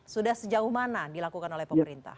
sudah sejauh mana dilakukan oleh pemerintah